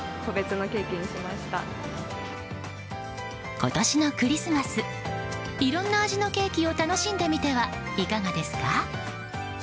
今年のクリスマスいろんな味のケーキを楽しんでみてはいかがですか？